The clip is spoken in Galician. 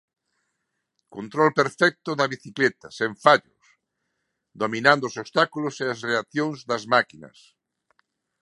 Control perfecto da bicicleta, sen fallos, dominando os obstáculos e as reaccións das máquinas.